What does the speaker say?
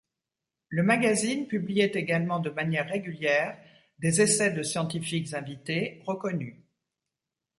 Le magazine publiait également de manière régulière des essais de scientifiques invités reconnus.